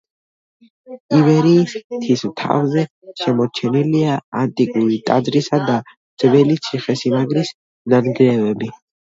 ივერიის მთის თავზე შემორჩენილია ანტიკური ტაძრისა და ძველი ციხესიმაგრის ნანგრევები.